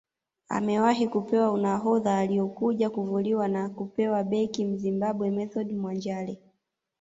Amewahi kupewa unahodha aliokuja kuvuliwa na kupewa beki Mzimbabwe Method Mwanjale